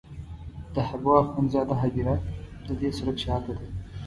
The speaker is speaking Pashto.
د حبو اخند زاده هدیره د دې سړک شاته ده.